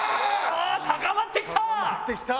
高まってきた！